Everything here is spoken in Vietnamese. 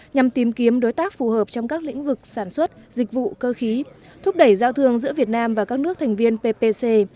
nhằm tìm kiếm đối tác phù hợp trong các lĩnh vực sản xuất dịch vụ cơ khí thúc đẩy giao thương giữa việt nam và các nước thành viên ppc